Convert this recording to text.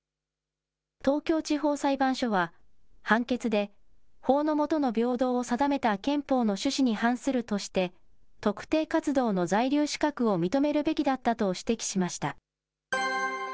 東京地方裁判所は、判決で、法の下の平等を定めた憲法の趣旨に反するとして、特定活動の在留資格を認めるべきだったと指摘しました。